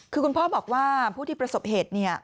คือคุณพ่อบอกว่าผู้ที่ประสบเหตุเนี่ย